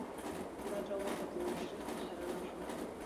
لمر را وخوت له مشرق څخه رڼا شوه.